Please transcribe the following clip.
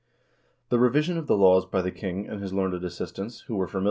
The revision of the laws by the king and his learned assistants, who were familiar, 1 Dr. A.